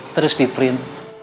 terus di print